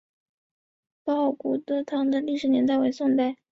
报德古堂的历史年代为宋代。